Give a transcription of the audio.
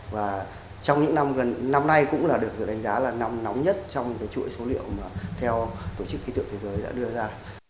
và trong những năm nay cũng được đánh giá là năm nóng nhất trong chuỗi số liệu theo tổ chức khí tượng thế giới đã đưa ra